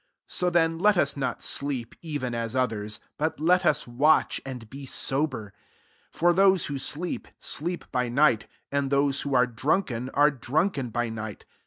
6 So then let us not sleep, even as others ; but let us watch, and be sober. 7 For those who sleep, sleep by night; and those who are drunken, are drunken by night.